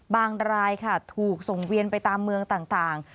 บางรายค่ะถูกส่งเวียนตอบอาหารไปตามเมืองต่าง